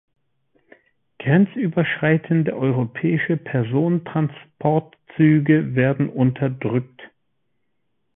Grenzüberschreitende europäische Personentransportzüge werden unterdrückt.